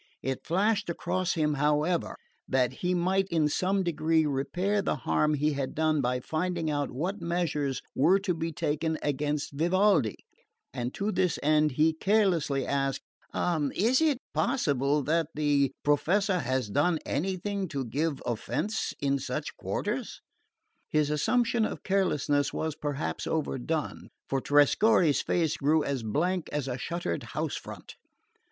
It flashed across him, however, that he might in some degree repair the harm he had done by finding out what measures were to be taken against Vivaldi; and to this end he carelessly asked: "Is it possible that the Professor has done anything to give offence in such quarters?" His assumption of carelessness was perhaps overdone; for Trescorre's face grew as blank as a shuttered house front.